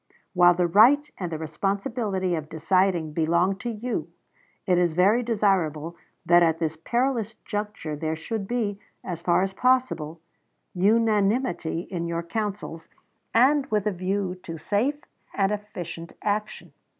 While the right and the responsibility of deciding belong to you, it is very desirable that at this perilous juncture there should be, as far as possible, unanimity in your councils, with a view to safe and efficient action.